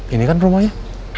ini kan rumahnya